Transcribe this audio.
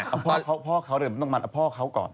เอาพ่อเขาเพราะเดินต้นมันเอาพ่อเขาก่อน